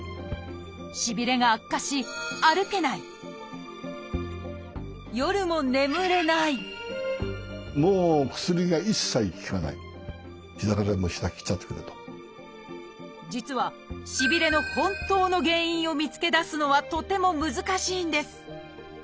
しびれが悪化し夜も実はしびれの本当の原因を見つけ出すのはとても難しいんです。